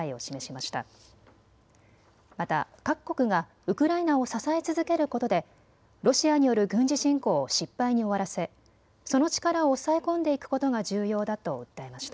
また各国がウクライナを支え続けることでロシアによる軍事侵攻を失敗に終わらせその力を抑え込んでいくことが重要だと訴えました。